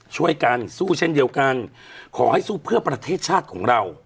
ช่วยกันสู้เช่นเดียวกันขอให้สู้เพื่อประเทศชาติของเรา